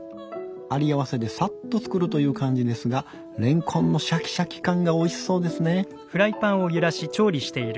ありあわせでさっと作るという感じですがレンコンのシャキシャキ感がおいしそうですね。